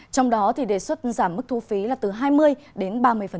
trong đó đề xuất giảm mức thu phí từ hai mươi đến ba mươi